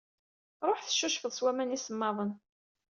Ṛuḥ tcucfeḍ s waman isemmaḍen.